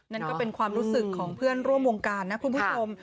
นั่นก็เป็นความรู้สึกของเพื่อนร่วมวงการนะคุณผู้ชม